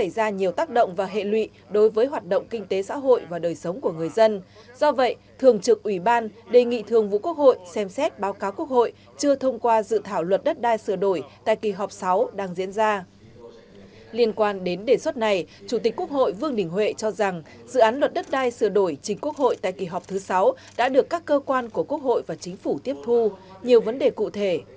dự án luật đất đai sửa đổi chính quốc hội tại kỳ họp thứ sáu đã được các cơ quan của quốc hội và chính phủ tiếp thu nhiều vấn đề cụ thể